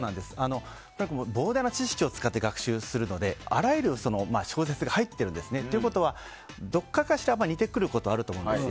膨大な知識を使って学習するのであらゆる小説が入っているんですね。ということは、どこかしらが似てくることがあると思うんです。